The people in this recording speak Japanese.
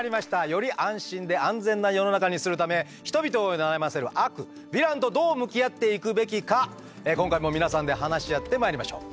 より安心で安全な世の中にするため人々を悩ませる悪ヴィランとどう向き合っていくべきか今回も皆さんで話し合ってまいりましょう。